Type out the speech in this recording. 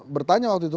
bertanya waktu itu